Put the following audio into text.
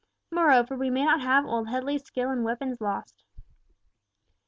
Moreover, we may not have old Headley's skill in weapons lost!"